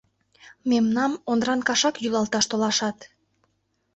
— Мемнам Ондран кашак йӱлалташ толашат!..